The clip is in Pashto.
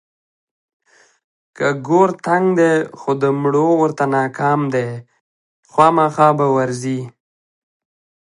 که ګور تنګ دی خو د مړو ورته ناکام دی، خوامخا به ورځي.